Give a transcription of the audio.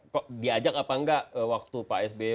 kok diajak apa enggak waktu pak sby